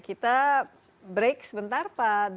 kita break sebentar pak